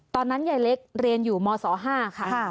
ตอนนั้นยายเล็กเรียนอยู่มศ๕ค่ะ